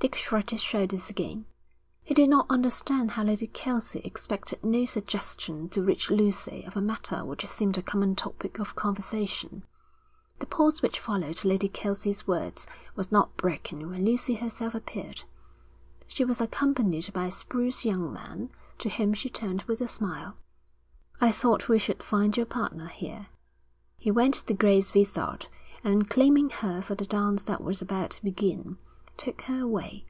Dick shrugged his shoulders again. He did not understand how Lady Kelsey expected no suggestion to reach Lucy of a matter which seemed a common topic of conversation. The pause which followed Lady Kelsey's words was not broken when Lucy herself appeared. She was accompanied by a spruce young man, to whom she turned with a smile. 'I thought we should find your partner here.' He went to Grace Vizard, and claiming her for the dance that was about to begin, took her away.